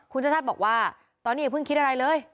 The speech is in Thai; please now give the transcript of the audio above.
คุณชาติชาติบอกว่าตอนนี้อย่าเพิ่งคิดอะไรเลย